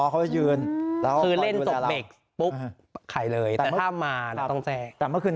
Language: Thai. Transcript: คือเล่นสกเบกปุ๊บไขเลยแต่ถ้ามาเราต้องแจ้ง